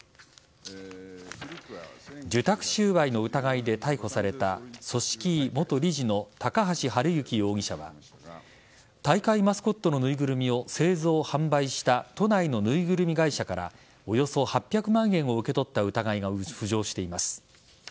受託収賄の疑いで逮捕された組織委元理事の高橋治之容疑者は大会マスコットの縫いぐるみを製造・販売した都内の縫いぐるみ会社からおよそ８００万円を受け取った疑いが浮上しています。